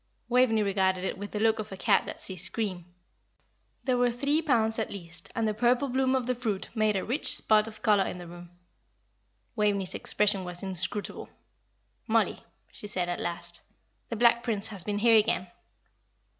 Waveney regarded it with the look of a cat that sees cream. There were three pounds at least, and the purple bloom of the fruit made a rich spot of colour in the room. Waveney's expression was inscrutable. "Mollie," she said, at last, "the Black Prince has been here again."